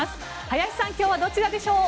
林さん、今日はどちらでしょう？